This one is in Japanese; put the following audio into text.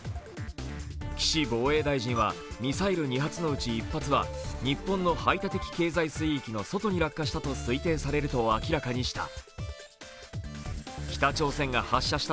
岸防衛大臣はミサイル２発のうち１発は日本の排他的経済水域の外に落下したと推定されると明らかにしました。